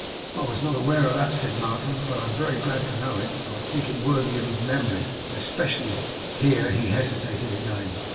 'I was not aware of that,' said Martin, 'but I am very glad to know it, and I think it worthy of his memory; especially' here he hesitated again.